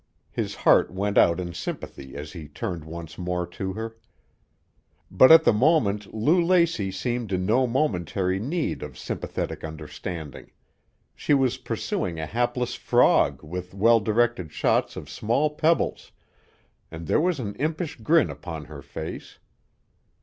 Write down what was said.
His heart went out in sympathy as he turned once more to her. But at the moment Lou Lacey seemed in no momentary need of sympathetic understanding. She was pursuing a hapless frog with well directed shots of small pebbles, and there was an impish grin upon her face.